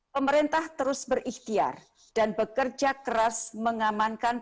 pemerintah terus berikhtiar dan bekerja keras mengamankan